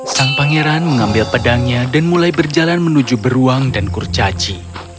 sang pangeran mengambil pedangnya dan mulai berjalan menuju beruang dan kurcaci